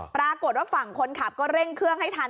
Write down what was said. ปรากฏว่าฝั่งคนขับก็เร่งเครื่องให้ทัน